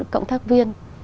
cộng tác viên